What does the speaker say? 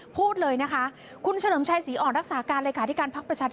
พูดเลยนะคะคุณเฉลิมชัยศรีอ่อนรักษาการ